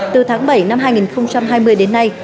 từ tháng bảy năm hai nghìn hai mươi đến nay